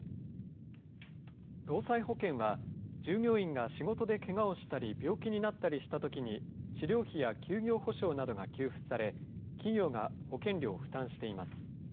労災保険は、従業員が仕事でけがをしたり病気になったりしたときに、治療費や休業補償などが給付され、企業が保険料を負担しています。